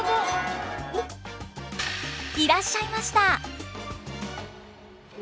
いらっしゃいました。